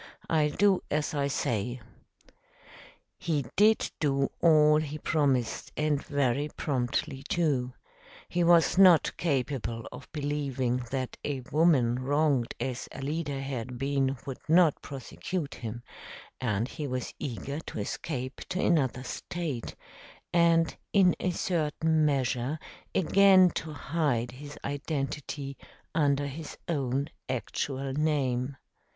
"I'll do as I say." He did do all he promised, and very promptly, too. He was not capable of believing that a woman wronged as Alida had been would not prosecute him, and he was eager to escape to another state, and, in a certain measure, again to hide his identity under his own actual name.